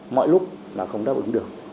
mọi lúc là không đáp ứng được